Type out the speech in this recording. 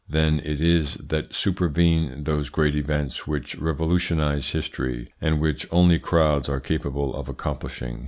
Then it is that supervene those great events which revolutionise history, and which only crowds are capable of accom plishing.